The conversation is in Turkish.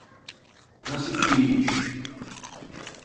Nasip değilmiş.